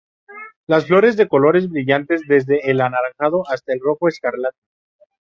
Las flores son de colores brillantes, desde al anaranjado hasta el rojo escarlata.